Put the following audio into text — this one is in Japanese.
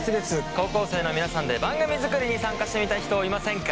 高校生の皆さんで番組作りに参加してみたい人いませんか？